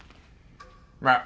まあ